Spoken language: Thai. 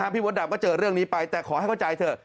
พี่มดดำก็เจอเรื่องนี้ไปแต่ขอให้เข้าใจเถอะ